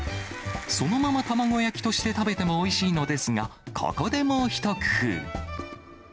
そのまま卵焼きとして食べてもおいしいのですが、ここでもうひと工夫。